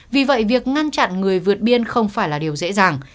vì vậy việc ngăn chặn người vượt biên không phải là điều dễ dàng